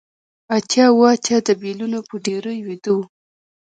اتیا اوه اتیا د بیلونو په ډیرۍ ویده و